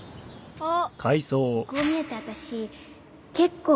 あっ。